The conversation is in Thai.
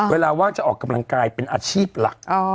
ว่างจะออกกำลังกายเป็นอาชีพหลัก